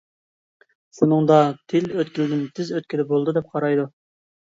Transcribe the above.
شۇنىڭدا تىل ئۆتكىلىدىن تېز ئۆتكىلى بولىدۇ دەپ قارايدۇ.